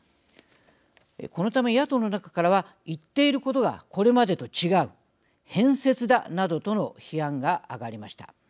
このため野党の中からは言っていることがこれまでと違う変節だなどとの批判が挙がりました。